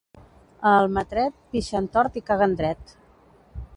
A Almatret pixen tort i caguen dret.